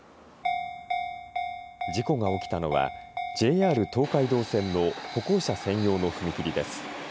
事故が起きたのは、ＪＲ東海道線の歩行者専用の踏切です。